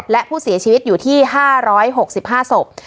และผู้เสียชีวิตอยู่ที่๕๖๕ศพ